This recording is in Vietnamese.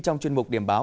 trong chuyên mục điểm báo